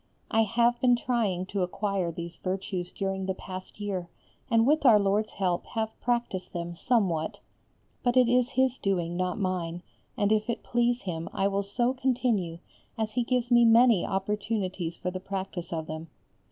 I have been trying to acquire these virtues during the past year, and with Our Lord's help have practised them somewhat. But it is His doing, not mine, and if it please Him I will so continue as He gives me many opportunities for the practice of them.